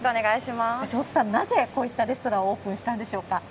橋本さん、なぜこういったレストランをオープンしたんでしょ